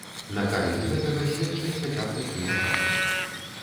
На карысць гэтага сведчаць хаця б такія факты.